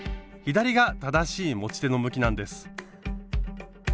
左が正しい持ち手の向きなんです。